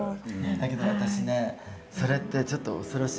だけど私ねそれってちょっと恐ろしい感じ。